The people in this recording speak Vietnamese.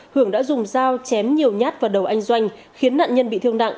hưởng đã dùng dao chém nhiều nhát vào đầu anh doanh khiến nạn nhân bị thương nặng